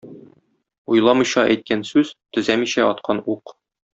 Уйламыйча әйткән сүз — төзәмичә аткан ук.